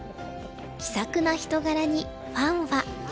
気さくな人柄にファンは。